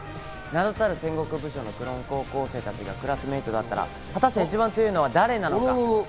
名だたる戦国武将のクローン高校生たちがクラスメートだったら、果たして一番強いのは誰なのか？